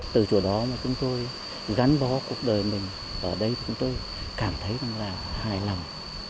từ chỗ đó mà chúng tôi gắn bó cuộc đời mình ở đây chúng tôi cảm thấy là hài lòng